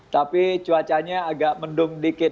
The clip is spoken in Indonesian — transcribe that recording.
tapi cuacanya agak mendung dikit